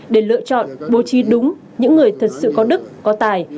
để lựa chọn bố trí đúng những người thật sự có đức có tài